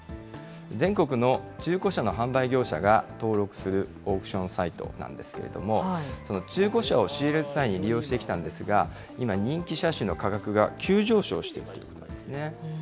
全国の中古車の販売業者が登録するオークションサイトなんですけれども、その中古車を仕入れる際に利用してきたんですが、今、人気車種の価格が急上昇しているということなんですね。